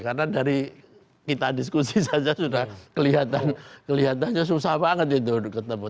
karena dari kita diskusi saja sudah kelihatannya susah banget itu ketemu